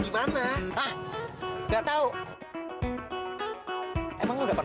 ini hanya g celebih